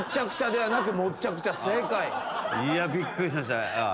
いやびっくりしましたね。